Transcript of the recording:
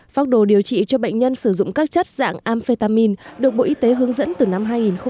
pháp đồ điều trị cho bệnh nhân sử dụng các chất dạng amphetamine được bộ y tế hướng dẫn từ năm hai nghìn một mươi bốn